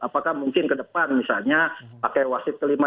apakah mungkin ke depan misalnya pakai wasit kelima